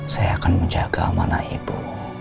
saya akan menjaga amanah ibu